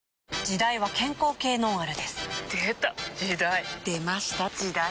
時代は健康系ノンアルですでた！時代！出ました！時代！